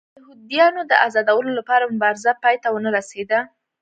د یهودیانو د ازادولو لپاره مبارزه پای ته ونه رسېده.